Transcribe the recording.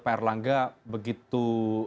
pr langga begitu